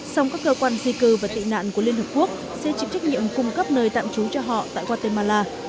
song các cơ quan di cư và tị nạn của liên hợp quốc sẽ chịu trách nhiệm cung cấp nơi tạm trú cho họ tại guatemala